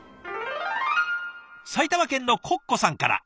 埼玉県のコッコさんから。